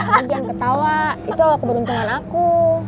hai jangan ketawa itu keberuntungan aku